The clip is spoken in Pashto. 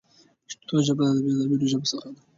پښتو ژبه د نړۍ له بډايو ژبو څخه ده.